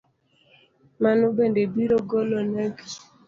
Mano bende biro goloneg